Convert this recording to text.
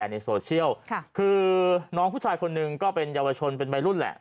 ในโซเชียลค่ะคือน้องผู้ชายคนหนึ่งก็เป็นเยาวชนเป็นวัยรุ่นแหละ